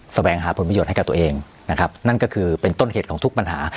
แสวงหาผลประโยชน์ให้กับตัวเองนะครับนั่นก็คือเป็นต้นเหตุของทุกปัญหา